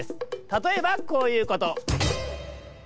たとえばこういうこと。